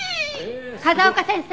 風丘先生。